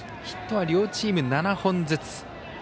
ヒットは両チーム７本ずつ。